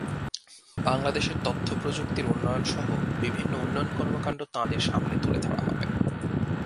বাংলাদেশের তথ্যপ্রযুক্তির উন্নয়নসহ বিভিন্ন উন্নয়ন কর্মকাণ্ড তাঁদের সামনে তুলে ধরা হবে।